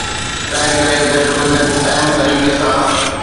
تنهن ڪري گهٽ ۾ گهٽ اهم طريقي سان.